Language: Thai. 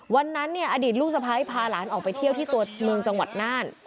วันนั้นเนี่ยอดีตลูกสะพ้ายพาหลานออกไปเที่ยวที่ตัวเมืองจังหวัดน่าน